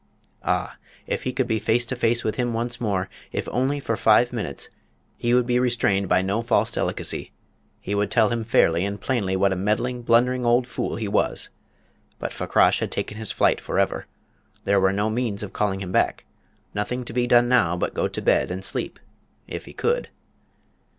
Ah! if he could be face to face with him once more if only for five minutes he would be restrained by no false delicacy: he would tell him fairly and plainly what a meddling, blundering old fool he was. But Fakrash had taken his flight for ever: there were no means of calling him back nothing to be done now but go to bed and sleep if he could!